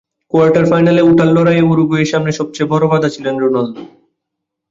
Quarter ফাইনালে ওঠার লড়াইয়ে উরুগুয়ের সামনে সবচেয়ে বড় বাধা ছিলেন রোনালদো।